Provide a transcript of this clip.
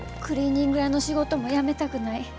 クリーニング屋の仕事も辞めたくない。